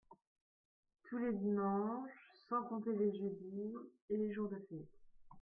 Tous les dimanches… sans compter les jeudis… et les jours de fête…